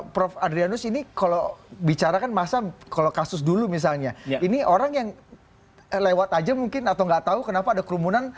prof adrianus ini kalau bicara kan masa kalau kasus dulu misalnya ini orang yang lewat aja mungkin atau nggak tahu kenapa ada kerumunan